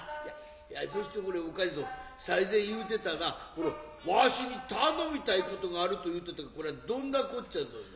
いやそしてこれお梶どん最前言うてたなわしに頼みたいことがあると言うてたけどこれはどんなこっちゃぞいな。